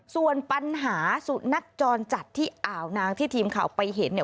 ส่วนปัญหาสุนัขจรจัดที่อ่าวนางที่ทีมข่าวไปเห็น